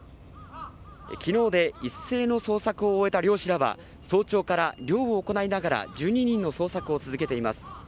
昨日で一斉の捜索を終えた漁師らは早朝から漁を行いながら１２人の捜索を続けています。